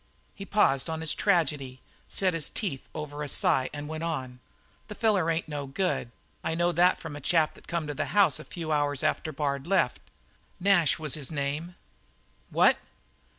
He paused on his tragedy, set his teeth over a sigh, and went on: "The feller ain't no good. I know that from a chap that come to the house a few hours after Bard left. Nash was his name " "What!"